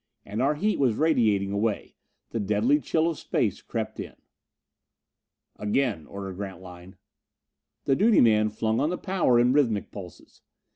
And our heat was radiating away; the deadly chill of space crept in. "Again!" ordered Grantline. The duty man flung on the power in rhythmic pulses.